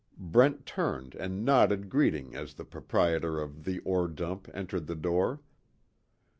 Brent turned and nodded greeting as the proprietor of "The Ore Dump" entered the door.